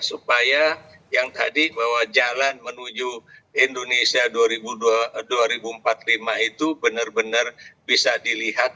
supaya yang tadi bahwa jalan menuju indonesia dua ribu empat puluh lima itu benar benar bisa dilihat